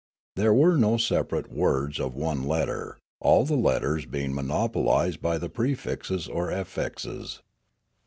There were no separate words of one let ter, all the letters being monopolised by the prefixes or afiixes.